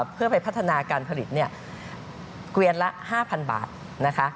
เพื่อไปพัฒนาการผลิตเกวียนละ๕๐๐บาทนะคะ